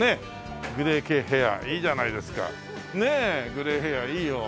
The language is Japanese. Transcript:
グレイヘアいいよ。